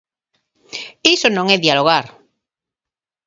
¡Iso non é dialogar!